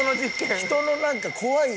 人のなんか怖い。